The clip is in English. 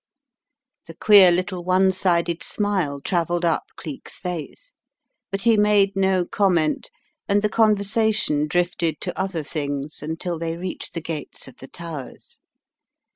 The queer little one sided smile travelled up Cleek's face, but he made no comment, and the conversation drifted to other things, until they reached the gates of "The Towers."